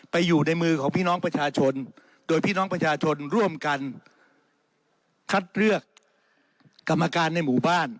อยู่ในมือของพี่น้องประชาชนโดยพี่น้องประชาชนร่วมกันคัดเลือกกรรมการในหมู่บ้าน